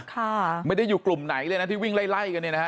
ค่ะไม่ได้อยู่กลุ่มไหนเลยนะที่วิ่งไล่ไล่กันเนี่ยนะฮะ